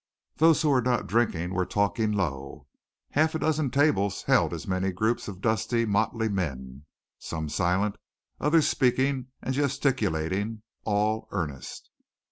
Those who were not drinking were talking low. Half a dozen tables held as many groups of dusty, motley men, some silent, others speaking and gesticulating, all earnest.